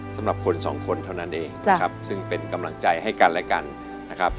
สำหรับคนสองคนเท่านั้นเองนะครับซึ่งเป็นกำลังใจให้กันและกันนะครับ